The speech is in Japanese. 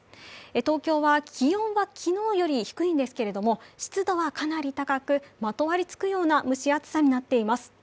東京は気温は昨日より低いんですが湿度はかなり高く、まとりつくような蒸し暑さになっています。